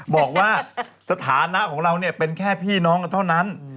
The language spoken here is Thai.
บอกว่าสถานะของเราเนี่ยเป็นแค่พี่น้องกันเท่านั้น